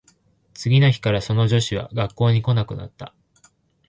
次の日からその女子は学校に来なくなった